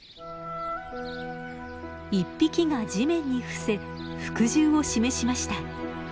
１匹が地面に伏せ服従を示しました。